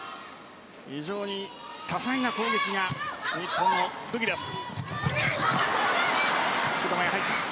非常に多彩な攻撃が日本の武器です。